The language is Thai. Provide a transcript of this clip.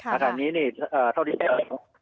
อาจารย์นี้เนี่ยเท่านี้เนี่ย